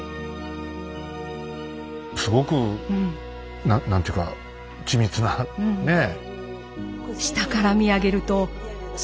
すごく何というか緻密なねえ。